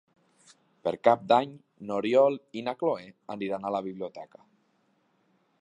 Per Cap d'Any n'Oriol i na Cloè aniran a la biblioteca.